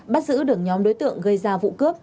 bắt giữ được nhóm đối tượng gây ra vụ cướp